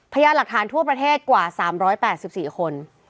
พยานหลักฐานทั่วประเทศกว่า๓๘๔คน